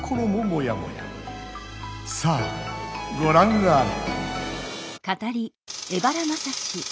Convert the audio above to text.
さあごらんあれ！